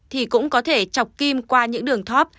thì cũng có thể chọc kim qua những đường thóp